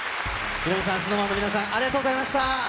ヒロミさん、ＳｎｏｗＭａｎの皆さん、ありがとうございました。